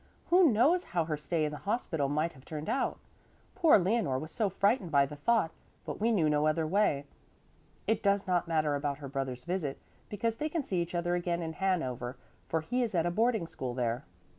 Who knows how her stay in the hospital might have turned out? Poor Leonore was so frightened by the thought; but we knew no other way. It does not matter about her brother's visit, because they can see each other again in Hanover, for he is at a boarding school there."